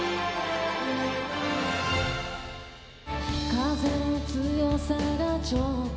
「風の強さがちょっと」